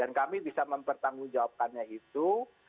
dan kami bisa mempertanggung jawabannya itu